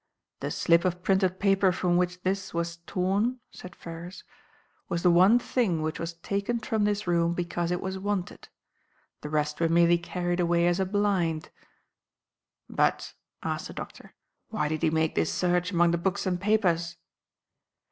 "The slip of printed paper from which this was torn," said Ferrars, "was the one thing which was taken from this room because it was wanted! The rest were merely carried away as a blind." "But," asked the doctor, "why did he make this search among the books and papers?"